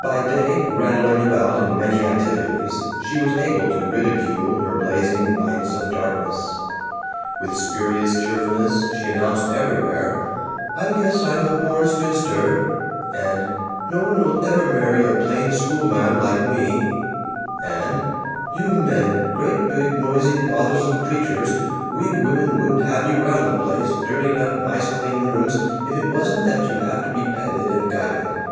By day, rattling about in many activities, she was able to ridicule her blazing nights of darkness. With spurious cheerfulness she announced everywhere, "I guess I'm a born spinster," and "No one will ever marry a plain schoolma'am like me," and "You men, great big noisy bothersome creatures, we women wouldn't have you round the place, dirtying up nice clean rooms, if it wasn't that you have to be petted and guided.